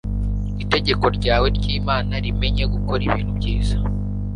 Itegeko ryawe ryimana rimenye gukora ibintu neza